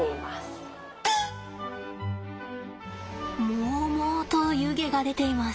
もうもうと湯気が出ています。